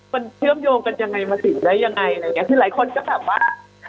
มันเชื่อมโยงกันยังไงมาถึงได้ยังไงอะไรอย่างเงี้คือหลายคนก็แบบว่า